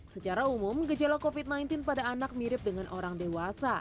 secara umum gejala covid sembilan belas pada anak mirip dengan orang dewasa